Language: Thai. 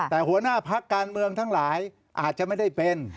แต่หัวหน้าพักการเมืองทั้งหลายอาจจะไม่ได้เป็น